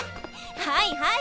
はいはい。